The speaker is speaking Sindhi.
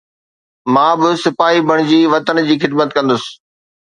مان به سپاهي بڻجي وطن جي خدمت ڪندس